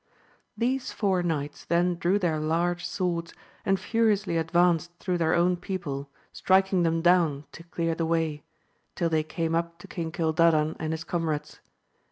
These four knights then drew their large swords, and furiously advanced through their own people, striking them down to dear the way, till they came up to King Cildadan and his comrades.